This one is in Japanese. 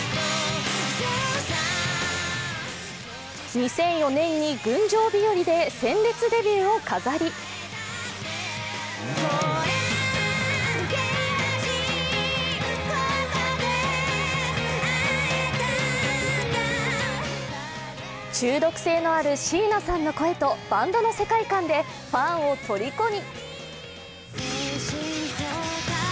２００４年に「群青日和」で鮮烈デビューを飾り中毒性のある椎名さんの声とバンドの世界観でファンをとりこに。